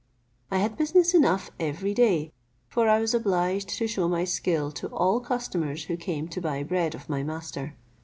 I had business enough every day; for I was obliged to shew my skill to all customers who came to buy bread of my master.